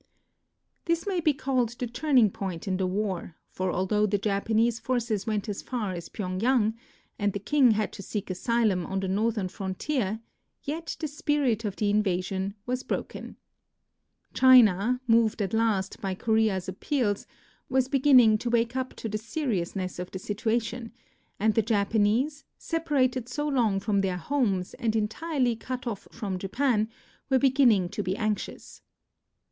This may be called the turning point in the war, for although the Japanese forces went as far as Pyeng yang, and the king had to seek asylum on the northern frontier, yet the spirit of the invasion was broken. China, moved at last by Korea's appeals, was beginning to wake up to the seriousness of the situation, and the Japanese, separated so long from their homes and entirely cut off from Japan, were beginning to be anxious.